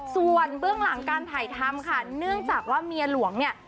ส่วนเบื้องหลังการถ่ายทำค่ะเนื่องจากว่าเมียหลวงเนี่ย